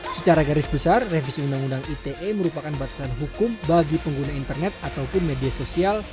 secara garis besar revisi undang undang ite merupakan batasan hukum bagi pengguna internet ataupun media sosial